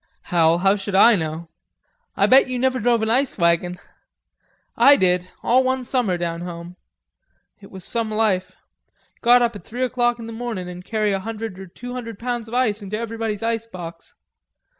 "Hell, how should I know? I bet you never drove an ice wagon.... I did, all one summer down home.... It was some life. Get up at three o'clock in the morning an' carry a hundred or two hundred pounds of ice into everybody's ice box.